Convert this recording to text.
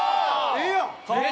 ええやん！